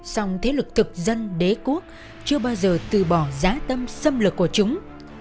song thế lực thực dân đế quốc chưa bao giờ từ bỏ giá tâm xâm lực của chúng